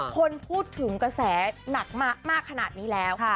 คนพูดถึงกระแสหนักมากขนาดนี้แล้ว